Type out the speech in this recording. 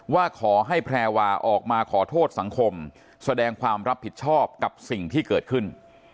ว่าขอให้แพรวาออกมาขอโทษสังคมแสดงความรับผิดชอบกับสิ่งที่เกิดขึ้น